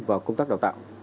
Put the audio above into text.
và công tác đào tạo